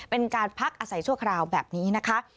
เป็นการพักอาศัยชั่วคราวแบบนี้นะคะ